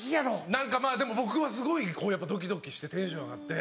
何かでも僕はすごいやっぱドキドキしてテンション上がって。